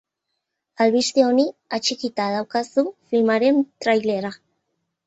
Albiste honi atxikita daukazu filmaren trailerra.